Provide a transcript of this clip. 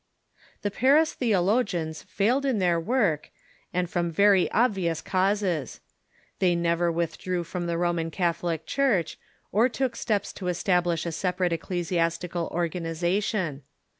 The Pans theologians failed in their work, and from very ob vious causes. They never withdrew from the Roman Catholic Church, or took steps to establish a separate eccle French^FaHure si 'i^tical organization.